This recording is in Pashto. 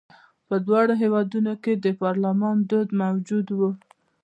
په دواړو هېوادونو کې د پارلمان دود موجود و.